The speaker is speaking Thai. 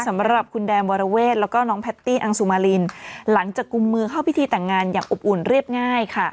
สำหรับคุณแดมวรเวทแล้วก็น้องแพตตี้อังสุมารินหลังจากกุมมือเข้าพิธีแต่งงานอย่างอบอุ่นเรียบง่ายค่ะ